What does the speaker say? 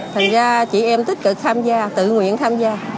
thành ra chị em tích cực tham gia tự nguyện tham gia